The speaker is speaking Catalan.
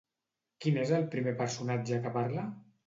Quin és el primer personatge que parla?